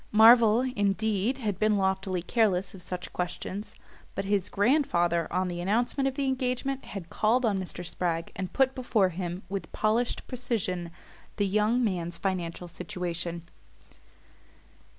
Marvell, indeed, had been loftily careless of such questions; but his grandfather, on the announcement of the engagement, had called on Mr. Spragg and put before him, with polished precision, the young man's financial situation.